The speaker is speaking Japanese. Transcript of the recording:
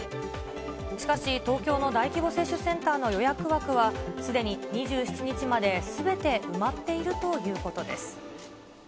しかし、東京の大規模接種センターの予約枠は、すでに２７日まですべて埋まっているということです。